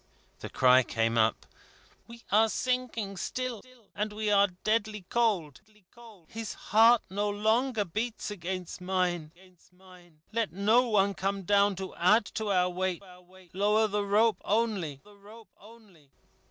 The cry came up: "We are sinking still, and we are deadly cold. His heart no longer beats against mine. Let no one come down, to add to our weight. Lower the rope only."